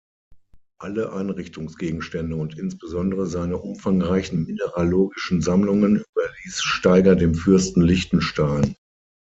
Alle Einrichtungsgegenstände und insbesondere seine umfangreichen mineralogischen Sammlungen überließ Steiger dem Fürsten Liechtenstein.